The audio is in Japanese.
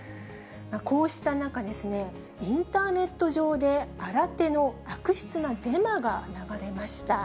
こうした中、インターネット上で、新手の悪質なデマが流れました。